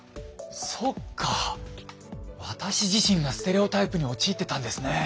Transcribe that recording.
そっか私自身がステレオタイプに陥ってたんですね。